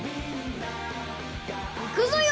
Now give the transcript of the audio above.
行くぞよ！